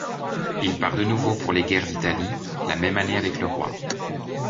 Il part de nouveau pour les guerres d'Italie la même année avec le roi.